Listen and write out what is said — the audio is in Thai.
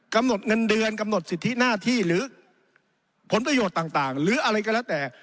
กำหนดเงินเดือนกำหนดสิทธิหน้าที่หรือผลประโยชน์ต่างหรืออะไรก็แล้วแต่